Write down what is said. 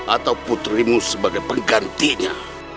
atau putrimu sebagai penggantinya